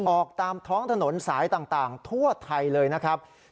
ออกตามท้องถนนสายต่างทั่วไทยเลยนะครับ